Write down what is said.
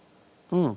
うん。